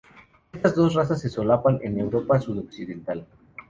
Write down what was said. Estas dos razas se solapan en Europa sudoccidental.